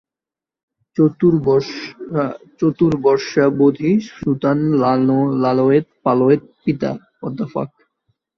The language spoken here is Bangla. চতুর্বর্ষাবধি সুতান লালয়েৎ পালয়েৎ পিতা।